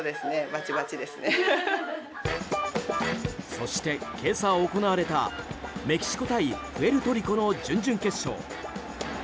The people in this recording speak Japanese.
そして、今朝行われたメキシコ対プエルトリコの準々決勝。